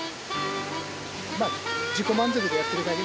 まあ自己満足でやってるだけです。